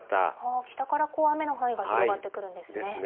北から雨の範囲が広がってくるんですね。ですね。